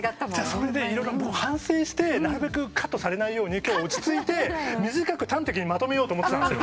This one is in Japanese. それで色々反省してなるべくカットされないように今日落ち着いて短く端的にまとめようと思ってたんですよ。